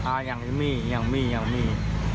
อ่ายังมียังมียังมี